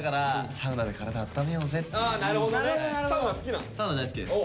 サウナ大好きです。